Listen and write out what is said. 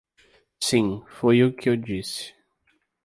Sim, foi o que eu disse.